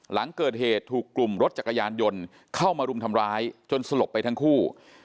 หลังเกิดเหตุถูกกลุ่มรถจักรยานยนต์เข้ามารุมทำร้ายจนสลบไปทั้งคู่